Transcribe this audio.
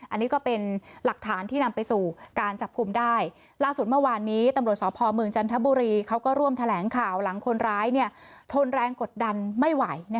อันนี้ก็เป็นหลักฐานที่นำไปสู่การจับคุมได้